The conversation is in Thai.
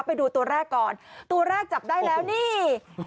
ไปดูตัวแรกก่อนตัวแรกจับได้แล้วนี่